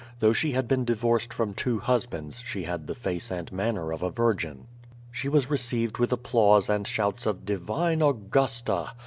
Though she had been divorced from two husbands, she had the face and manner of a virgin. She was received with applause and shouts of "divine Augusta."